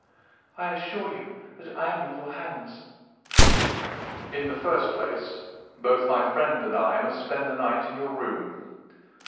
"I assure you that I am in your hands." "In the first place, both my friend and I must spend the night in your room."